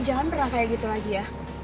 jangan pernah kayak gitu lagi ya